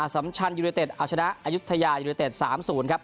สัมชันยูเนเต็ดเอาชนะอายุทยายูนิเต็ด๓๐ครับ